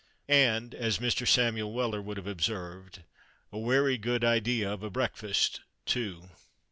"And," as Mr. Samuel Weller would have observed, "a wery good idea of a breakfast, too."